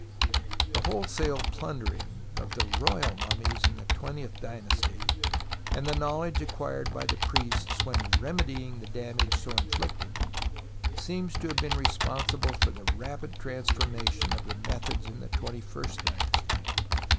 The wholesale plundering of the Royal mummies in the twentieth dynasty, and the knowledge acquired by the priests when remedying the damage so inflicted, seem to have been responsible for the rapid transfor mation of the methods in the twenty first dynasty.